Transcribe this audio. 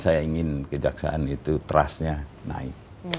saya ingin kejaksaan itu trustnya naik